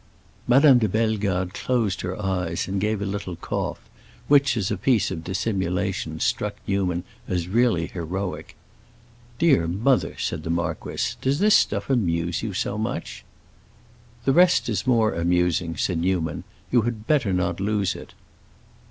Madame de Bellegarde closed her eyes and gave a little cough, which, as a piece of dissimulation, struck Newman as really heroic. "Dear mother," said the marquis, "does this stuff amuse you so much?" "The rest is more amusing," said Newman. "You had better not lose it."